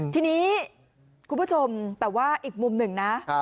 ทีนี้คุณผู้ชมแต่ว่าอีกมุมหนึ่งนะ